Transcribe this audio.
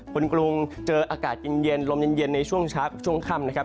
ฝนกลุ่งเจออากาศเย็นลมเย็นในช่วงชักช่วงค่ำ